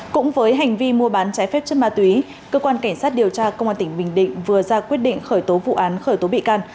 cũng với hành vi mua bán trái phép chất ma túy cơ quan cảnh sát điều tra công an tỉnh bình định vừa ra quyết định khởi tố vụ án khởi tố bị can